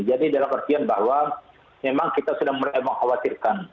jadi dalam persiap bahwa memang kita sudah merawatirkan